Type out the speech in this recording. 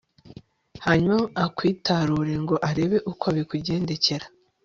hanyuma akwitarure ngo arebe uko bikugendekera